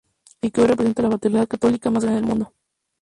Y que hoy representa la fraternidad católica más grande del mundo.